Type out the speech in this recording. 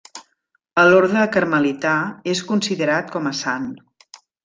A l'orde carmelità és considerat com a sant.